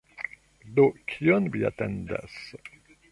Do, kion vi atendas?